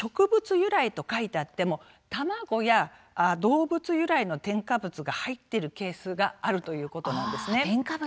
由来と書いてあっても卵や動物由来の添加物が入っているケースがあるということなんです。